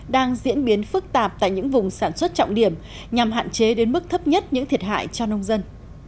đang diễn biến phức tạp tại những vùng sản xuất trọng điểm nhằm hạn chế đến mức thấp nhất những thiệt hại cho nông dân